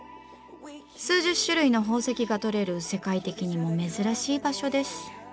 数十種類の宝石がとれる世界的にも珍しい場所です。